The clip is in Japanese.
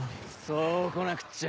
そうこなくっちゃ。